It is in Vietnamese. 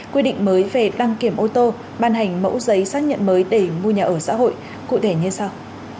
quy định mới về đăng kiểm ô tô ban hành mẫu giấy xác nhận mới để mua nhà ở xã hội cụ thể như sau